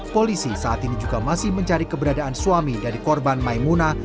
polisi saat ini juga masih mencari keberadaan suami dari korban maimuna